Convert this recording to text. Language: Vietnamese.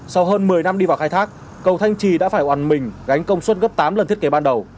sau hơn một mươi năm đi vào khai thác cầu thanh trì đã phải oàn mình gánh công suất gấp tám lần thiết kế ban đầu